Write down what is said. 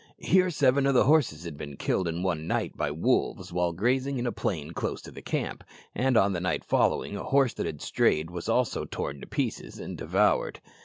Here seven of the horses had been killed in one night by wolves while grazing in a plain close to the camp, and on the night following a horse that had strayed was also torn to pieces and devoured.